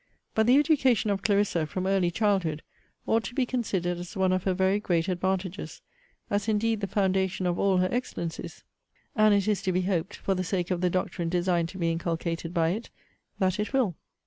But the education of Clarissa, from early childhood, ought to be considered as one of her very great advantages; as, indeed, the foundation of all her excellencies: and, it is to be hoped, for the sake of the doctrine designed to be inculcated by it, that it will.